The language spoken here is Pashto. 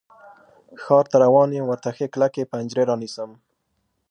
ښار ته روان یم، ورته ښې کلکې پنجرې رانیسم